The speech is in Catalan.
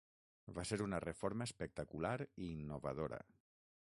Va ser una reforma espectacular i innovadora.